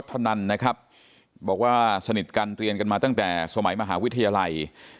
บอกว่าสนิทกันเรียนกันมาตั้งแต่เมื่อสมัยมหาวิทยาลัย